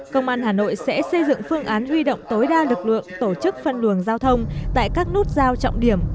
công an hà nội sẽ xây dựng phương án huy động tối đa lực lượng tổ chức phân luồng giao thông tại các nút giao trọng điểm